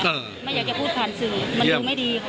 ไม่อยากจะพูดผ่านสื่อมันดูไม่ดี